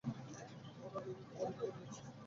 আমরা রোগীকে পরীক্ষা করে দেখেছি।